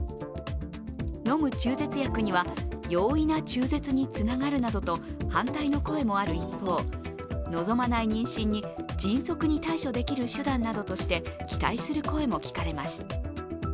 飲む中絶薬には容易な中絶につながるなどと反対の声もある一方、望まない妊娠に迅速に対処できる手段などとして期待する声も聞かれます。